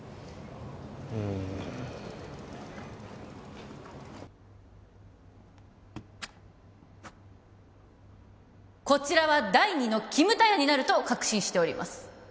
うんこちらは第二のキムタヤになると確信しております